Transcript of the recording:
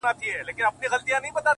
اوس خو پوره تر دوو بـجــو ويــښ يـــم،